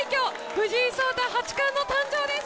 藤井聡太八冠の誕生です！